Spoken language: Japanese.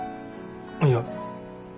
いや。